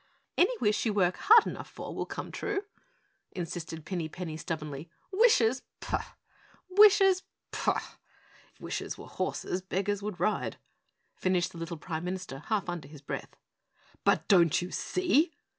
"Any wish you work hard enough for will come true," insisted Pinny Penny stubbornly. "Wishes POOH! Wishes POOH! 'If wishes were horses, beggars would ride!'" finished the little Prime Minister half under his breath. "But don't you see?"